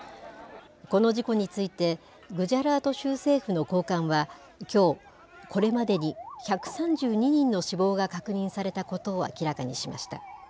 この事故について、グジャラート州政府の高官は、きょう、これまでに１３２人の死亡が確認されたことを明らかにしました。